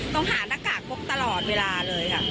ต้องหาหน้ากากพกตลอดเวลาเลยค่ะ